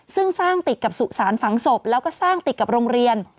ซึ่งสร้างติดกับสุสานฝังศพแล้วก็สร้างติดกับโรงเรียน